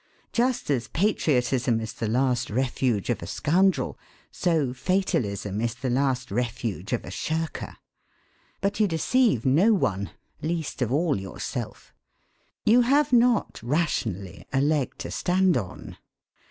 Just as 'patriotism is the last refuge of a scoundrel,' so fatalism is the last refuge of a shirker. But you deceive no one, least of all yourself. You have not, rationally, a leg to stand on.